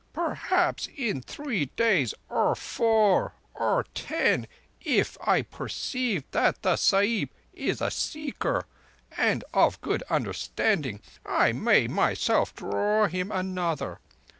"Perhaps in three days, or four, or ten, if I perceive that the Sahib is a Seeker and of good understanding, I may myself draw him another.